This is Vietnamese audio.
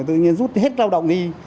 tự nhiên rút hết lao động đi